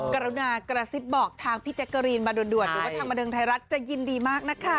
กรุณากระซิบบอกทางพี่แจ๊กกะรีนมาด่วนหรือว่าทางบันเทิงไทยรัฐจะยินดีมากนะคะ